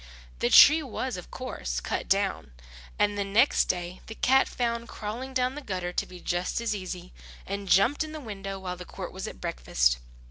The tree was, of course, cut down; and the next day the cat found crawling down the gutter to be just as easy, and jumped in the window while the court was at breakfast.